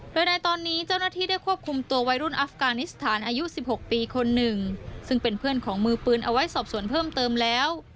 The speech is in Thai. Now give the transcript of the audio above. โดยในตอนนี้เจ้าหน้าที่ได้ควบคุมตัววัยรุ่นอัฟกานิสถานอายุ๑๖ปีคนหนึ่งซึ่งเป็นเพื่อนของมือปืนเอาไว้สอบส่วนเพิ่มเติมแล้ว